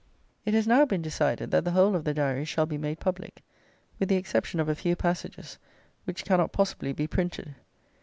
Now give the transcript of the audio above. It has now been decided that the whole of the Diary shall be made public, with the exception of a few passages which cannot possibly be printed.